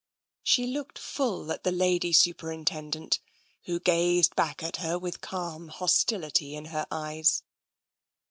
She looked full at the Lady Superintendent, who gazed back at her with calm hostility in her eyes.